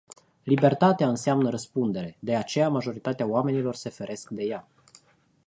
Libertatea înseamnă răspundere. De aceea majoritatea oamenilor se feresc de ea.